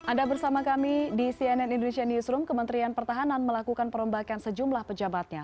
anda bersama kami di cnn indonesia newsroom kementerian pertahanan melakukan perombakan sejumlah pejabatnya